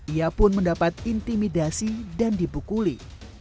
ia pun mendapat intimidasi dan dibukuli